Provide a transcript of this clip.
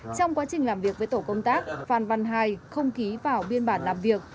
trong quá trình làm việc với tổ công tác phan văn hai không ký vào biên bản làm việc